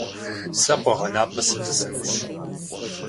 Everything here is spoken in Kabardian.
Сэ къуэгъэнапӏэ сытӏысынущ.